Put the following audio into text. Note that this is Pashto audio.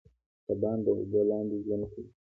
کبان د اوبو لاندې ژوند کوي